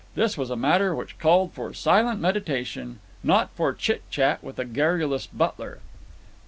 This was a matter which called for silent meditation, not for chit chat with a garrulous butler.